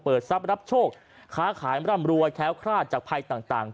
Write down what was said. ทรัพย์รับโชคค้าขายร่ำรวยแค้วคลาดจากภัยต่าง